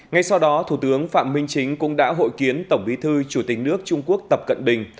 ngay sau đó thủ tướng phạm minh chính cũng đã hội kiến tổng bí thư chủ tịch nước trung quốc tập cận bình